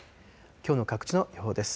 きょうの各地の予報です。